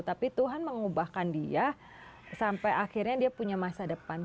tapi tuhan mengubahkan dia sampai akhirnya dia punya masa depan